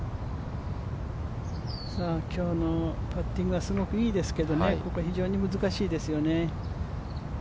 今日のパッティングはすごくいいですけどね、ここ非常に難しいですよね。